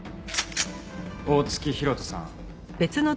大月博人さん。